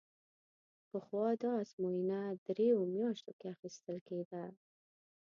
پخوا دا ازموینه درېیو میاشتو کې اخیستل کېده.